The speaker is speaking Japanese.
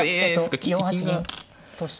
４八銀として。